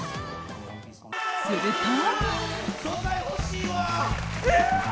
すると。